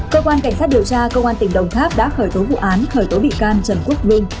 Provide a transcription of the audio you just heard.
cơ quan cảnh sát điều tra công an tỉnh đồng tháp đã khởi tố vụ án khởi tố bị can trần quốc vương